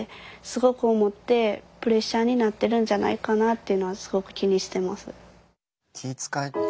っていうのはすごく気にしてます。